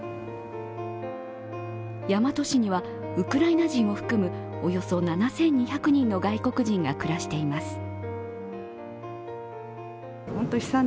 大和市には、ウクライナ人を含むおよそ７２００人の外国人が暮らしています。